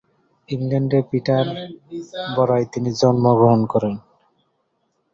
ইংল্যান্ডের পিটারবরায় তিনি জন্মগ্রহণ করেন।